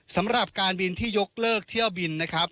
สำหรับการบินที่ยกเลิกเที่ยวบินนะครับ